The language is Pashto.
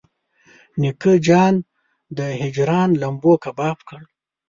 نیکه جانه د هجران لمبو کباب کړم.